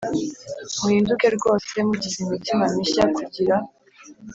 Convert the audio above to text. Muhinduke rwose mugize imitima mishya kugira